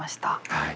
はい。